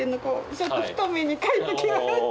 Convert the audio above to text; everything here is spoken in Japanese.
ちょっと太めに描いてきました。